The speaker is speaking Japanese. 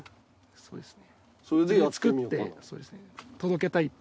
そうですね。